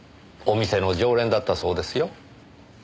お店の常連だったそうですよ。